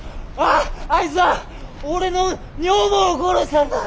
あいつは俺の女房を殺したんだ！